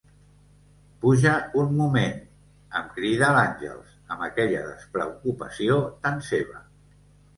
Puja un moment! –em crida l'Àngels, amb aquella despreocupació tan seva.